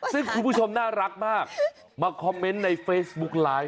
ซึ่งคุณผู้ชมน่ารักมากมาคอมเมนต์ในเฟซบุ๊กไลฟ์